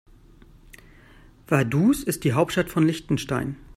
Vaduz ist die Hauptstadt von Liechtenstein.